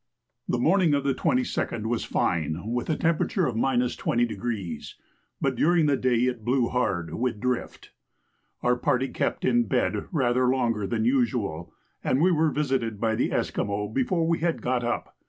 The morning of the 22d was fine with a temperature of 20°, but during the day it blew hard with drift. Our party kept in bed rather longer than usual, and we were visited by the Esquimaux before we had got up.